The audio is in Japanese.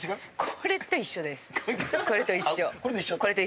これと一緒です。